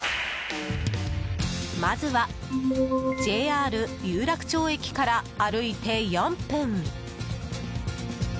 まずは、ＪＲ有楽町駅から歩いて４分。